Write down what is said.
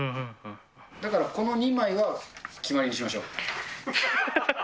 だから、この２枚は決まりにしましょう。